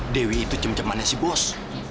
dewi itu cem cemannya si bos